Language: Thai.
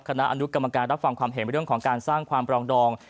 คณะอนุกรรมการรับฟังความเห็นเรื่องของการสร้างความปรองดอง